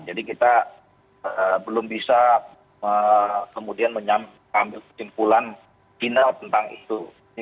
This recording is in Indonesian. jadi kita belum bisa kemudian mengambil kesimpulan final tentang itu